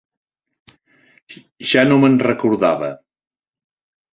Ja no me'n recordava.